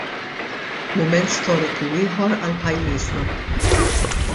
Mument storiku ieħor għal pajjiżna.